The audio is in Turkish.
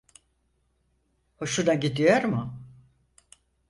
Hoşuna gidiyor mu?